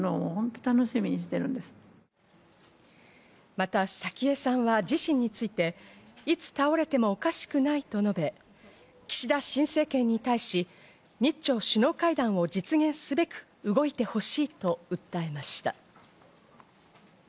また早紀江さんは自身について、いつ倒れてもおかしくないと述べ、岸田新政権に対し、日朝首脳会談を実現すべく動いてほしいと訴えました。